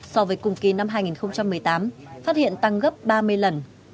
so với cùng kỳ năm hai nghìn một mươi tám phát hiện tăng gấp ba mươi lần